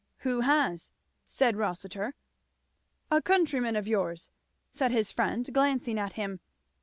'" "Who has?" said Rossitur. "A countryman of yours," said his friend glancing at him.